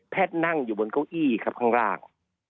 นั่งอยู่บนเก้าอี้ครับข้างล่าง